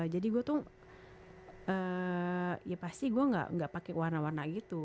jadi gue tuh ya pasti gue gak pakai warna warna gitu